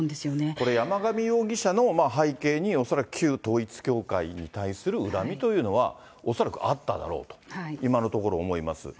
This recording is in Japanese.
これ、山上容疑者の背景に、恐らく旧統一教会に対する恨みというのは、恐らくあっただろうと、今のところ思います。